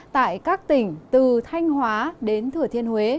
tại các tỉnh từ thanh hóa đến thừa thiên huế